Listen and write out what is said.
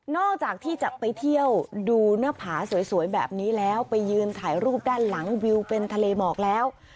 จากที่จะไปเที่ยวดูหน้าผาสวยแบบนี้แล้วไปยืนถ่ายรูปด้านหลังวิวเป็นทะเลหมอกแล้ว